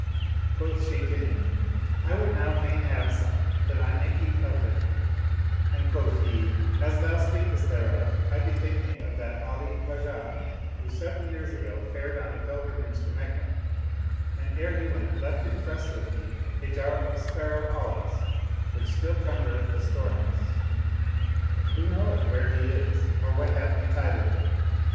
Quoth she 126 The Jar of Olives and the Bey Kazi to him, " I would now fain have some that I may eat of them "; and quoth he, " As thou speakest thereof I bethink me of that Ali Khwajah who seven years ago fared on a pilgrimage to Meccah, and ere he went left in trust with me a jar of Sparrow olives which still cumbereth the store house. Who knoweth where he is or what hath betided him?